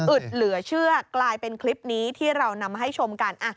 เหลือเชื่อกลายเป็นคลิปนี้ที่เรานำมาให้ชมกัน